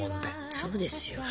そうですよ。